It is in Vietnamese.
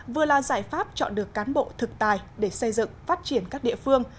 vừa là giải pháp chọn được cán bộ thực tài để xây dựng phát triển các địa phương